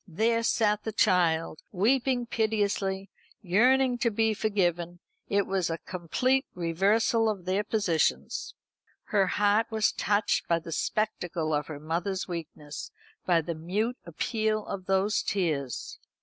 There sat the child, weeping piteously, yearning to be forgiven. It was a complete reversal of their positions. Her heart was touched by the spectacle of her mother's weakness, by the mute appeal of those tears.